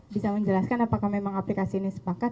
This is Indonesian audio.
bisa menjelaskan apakah memang aplikasi ini sepakat